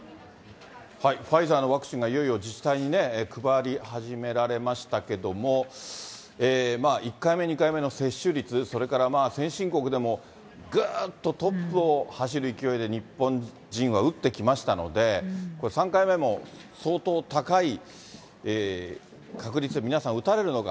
ファイザーのワクチンがいよいよ自治体に配り始められましたけれども、１回目、２回目の接種率、それから先進国でもぐーっとトップを走る勢いで日本人は打ってきましたので、３回目も相当高い確率で皆さん打たれるのか。